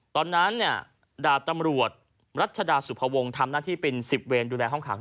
ตอนนั้นเนี่ยดาบตำรวจรัชดาสุภวงศ์ทำหน้าที่เป็น๑๐เวรดูแลห้องขัง